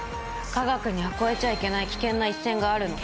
科学には越えちゃいけない危険な一線があるの。